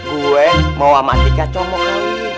eh gue mau sama atika cowok mau kawin